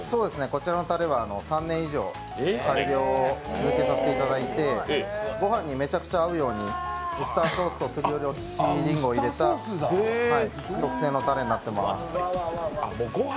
こちらのたれは３年以上、改良をさせていただいてごはんにめちゃくちゃ合うようにウスターソースとすり下ろしりんごを入れた特製のたれになっています。